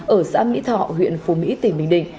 ở xã mỹ thọ huyện phù mỹ tỉnh bình định